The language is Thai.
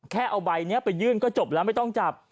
แค่เอาใบนี้ไปยื่นก็จบแล้วไม่ต้องจับ